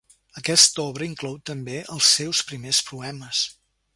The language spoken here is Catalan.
Aquesta obra inclou també els seus primers poemes.